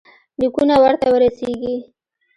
لیکونه ورته ورسیږي.